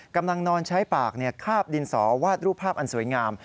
กำลังนอนใช้ปากคาบดินสอวาดรูปภาพอันสวยงาม